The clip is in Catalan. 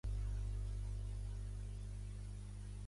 Va ser anomenada en honor del mar d'Okhotsk.